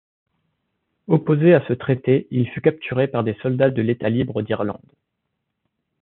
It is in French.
Opposé à ce traité, il fut capturé par des soldats de l'État libre d'Irlande.